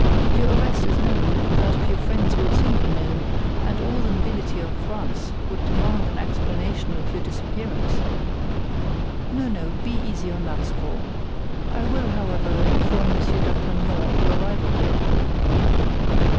Your arrest is known, that of your friends will soon be known; and all the nobility of France would demand an explanation of your disappearance. No, no, be easy on that score. I will, however, inform Monsieur d'Artagnan of your arrival here."